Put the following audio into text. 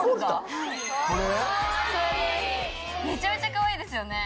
めちゃめちゃかわいいですよね。